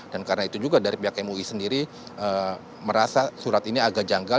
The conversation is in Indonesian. dan karena itu juga dari pihak mui sendiri merasa surat ini agak janggal